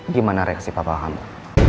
gimana reaksi bapak kamu